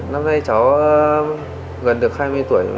năm nay cháu gần được hai mươi tuổi một mươi chín tuổi một mươi sáu tuổi